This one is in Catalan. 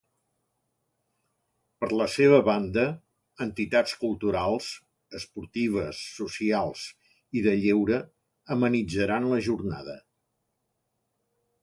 Per la seva banda, entitats culturals, esportives, socials i de lleure amenitzaran la jornada.